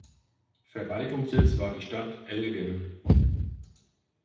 Verwaltungssitz war die Stadt Elgin.